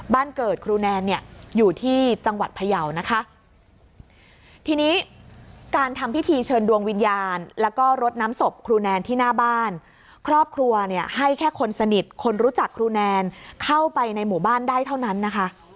เกิดครูแนนเนี่ยอยู่ที่จังหวัดพยาวนะคะทีนี้การทำพิธีเชิญดวงวิญญาณแล้วก็รดน้ำศพครูแนนที่หน้าบ้านครอบครัวเนี่ยให้แค่คนสนิทคนรู้จักครูแนนเข้าไปในหมู่บ้านได้เท่านั้นนะคะ